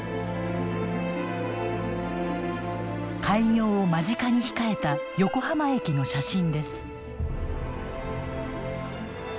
開業を間近に控えた横浜駅の写真です。